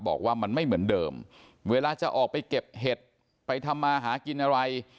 บอกว่ามันไม่เหมือนเดิมเวลาจะออกไปเก็บเห็ดไปทำมาหากินอะไร